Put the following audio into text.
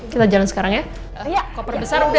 kita jalan sekarang ya